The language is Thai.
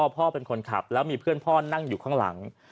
พ่อเป็นคนขับแล้วมีเพื่อนพ่อนั่งอยู่ข้างหลัง